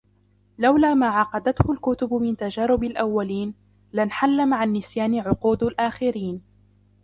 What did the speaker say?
لَوْلَا مَا عَقَدَتْهُ الْكُتُبُ مِنْ تَجَارِبِ الْأَوَّلِينَ ، لَانْحَلَّ مَعَ النِّسْيَانِ عُقُودُ الْآخِرِينَ